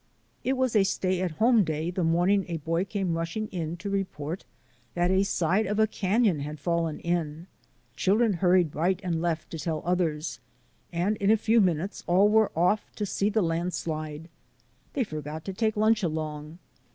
It was a stay at home day the morning a boy i 7 o THE ADVENTURES OF A NATURE GUIDE came rushing in to report that a side of a canon had fallen in. Children hurried right and left to tell others, and in a few minutes all were off to see the landslide. They forgot to take lunch along.